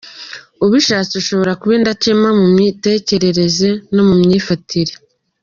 Ubishatse ushobora kuba indakemwa mu mitekerereze no mu myifatire.